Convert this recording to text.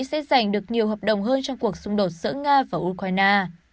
sẽ giành được nhiều hợp đồng hơn trong cuộc xung đột giữa nga và ukraine